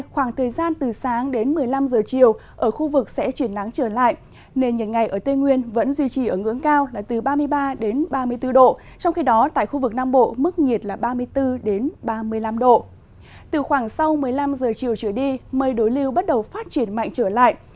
khoảng sau một mươi năm h chiều trở đi mây đối lưu bắt đầu phát triển mạnh trở lại